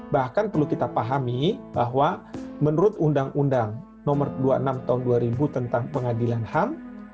bahkan perlu kita pahami bahwa menurut undang undang nomor dua puluh enam tahun dua ribu tentang pengadilan ham